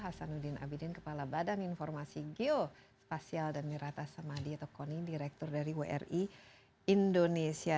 saya sanudin abidin kepala badan informasi geospasial dan mirata samadhi tokoni direktur dari wri indonesia